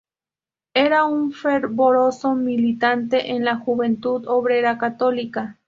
Era un fervoroso militante en la Juventud Obrera Católica.